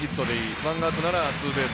ワンアウトならツーベース。